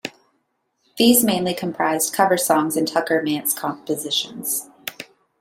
These mainly comprised cover songs and Tucker-Mantz compositions.